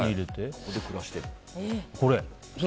ここで暮らしてるの？